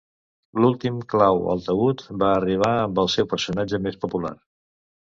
L'últim clau al taüt va arribar amb el seu personatge més popular.